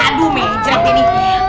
aduh menjerat ini